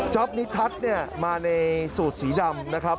จ๊อปนิทัศน์มาในสูตรสีดำนะครับ